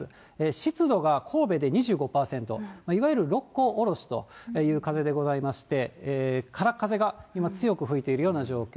湿度が神戸で２５％、いわゆる六甲おろしという風でございまして、からっ風が今、強く吹いているような状況。